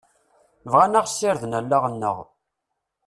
Bɣan ad ɣ-sirden allaɣ-nneɣ.